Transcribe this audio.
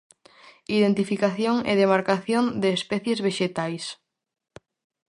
Identificación e demarcación de especies vexetais.